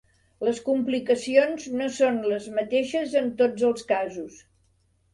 Les complicacions no són les mateixes en tots els casos.